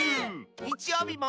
にちようびも。